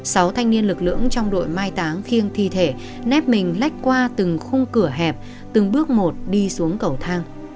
sáu thanh niên lực lượng trong đội mai táng khiêng thi thể nếp mình lách qua từng khung cửa hẹp từng bước một đi xuống cầu thang